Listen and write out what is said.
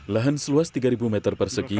lahan seluas tiga meter persegi